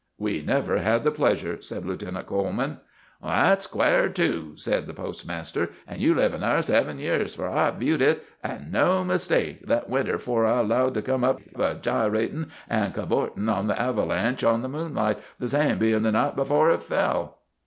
"We never had the pleasure," said Lieutenant Coleman. "That's quare, too," said the postmaster, "an' you livin' thar seven year; fur I viewed hit, an' no mistake, that winter afore I 'lowed to come up, a gyratin' an' cavortin' on the avalanche in the moonlight, the same bein' the night afore hit fell."